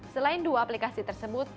selain dua aplikasi tersebut